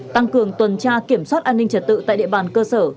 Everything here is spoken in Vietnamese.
tăng cường tuần tra kiểm soát an ninh trật tự tại địa bàn cơ sở